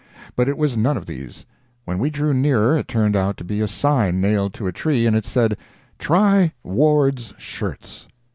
But it was none of these. When we drew nearer it turned out to be a sign nailed to a tree, and it said "Try Ward's shirts!"